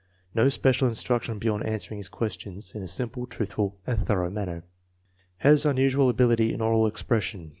No special instruction beyond answering his questions in a simple, truthful and thorough manner. Has unusual ability in oral expression.